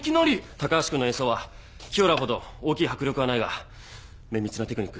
高橋君の演奏は清良ほど大きい迫力はないが綿密なテクニック。